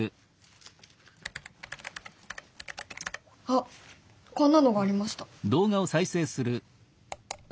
あっこんなのがありました。